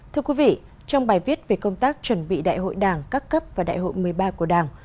thưa quý vị trong bài viết về công tác chuẩn bị đại hội đảng các cấp và đại hội một mươi ba của đảng